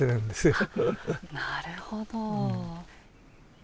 なるほど。